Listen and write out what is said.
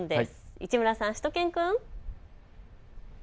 市村さん、しゅと犬くん。